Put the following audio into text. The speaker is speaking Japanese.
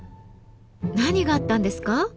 何があったんですか？